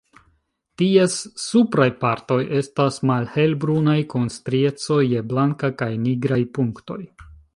Ties supraj partoj estas malhelbrunaj kun strieco je blanka kaj nigraj punktoj.